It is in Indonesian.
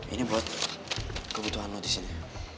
ini buat kebutuhan lo di sini